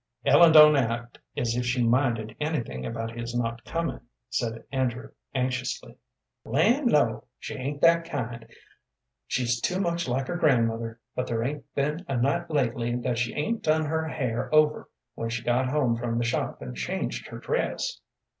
"Ellen don't act as if she minded anything about his not comin'," said Andrew, anxiously. "Land, no; she ain't that kind. She's too much like her grandmother, but there 'ain't been a night lately that she 'ain't done her hair over when she got home from the shop and changed her dress."